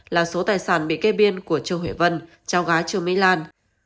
là số tài sản bị kê biên của châu huệ vân cháu gái trương mỹ lan